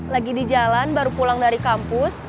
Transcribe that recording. lagi di jalan baru pulang dari kampus